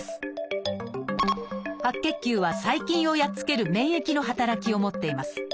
白血球は細菌をやっつける免疫の働きを持っています。